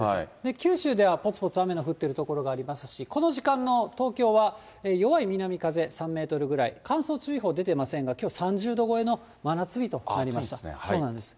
九州ではぽつぽつ雨の降ってる所がありますし、この時間の東京は弱い南風３メートルぐらい、乾燥注意報出ていませんが、きょう、暑いですね。